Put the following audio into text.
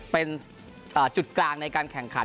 เป็นจุดกลางในการแข่งขัน